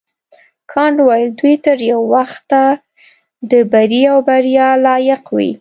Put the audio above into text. کانت وویل دوی تر یو وخته د بري او بریا لایق وي.